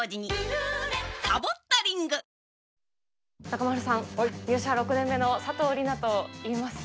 中丸さん、入社６年目の佐藤梨那といいます。